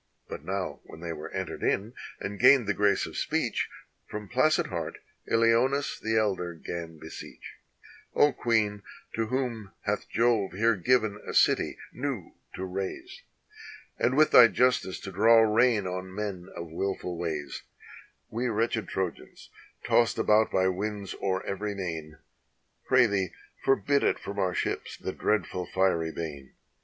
But now when they were entered in, and gained the grace of speech, From placid heart IKoneus the elder 'gan beseech: "0 Queen, to whom hath Jove here given a city new to raise, And with thy justice to draw rein on men of mlful ways, We wretched Trojans, tossed about by winds o'er every main, Pray thee forbid it from our ships, the dreadful fiery bane.